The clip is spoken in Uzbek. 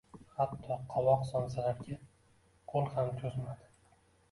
Hatto, qovoq somsalarga qo`l ham cho`zmadi